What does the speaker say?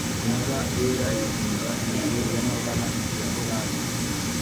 Imbwa yera ihunga inzu yamabara ya orange